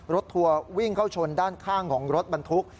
ทัวร์วิ่งเข้าชนด้านข้างของรถบรรทุก